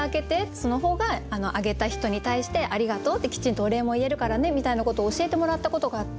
その方があげた人に対してありがとうってきちんとお礼も言えるからね」みたいなことを教えてもらったことがあって。